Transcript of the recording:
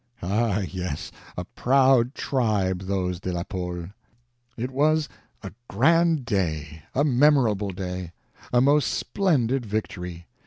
Ah, yes, a proud tribe, those De la Poles. It was a grand day, a memorable day, a most splendid victory.